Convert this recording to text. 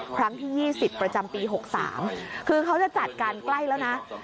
ครั้งที่๒๐ประจำปี๖๓คือเขาจะจัดการใกล้แล้วนะ